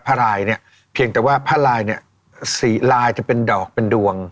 รายเนี่ยเพียงแต่ว่าผ้าลายเนี่ยสีลายจะเป็นดอกเป็นดวง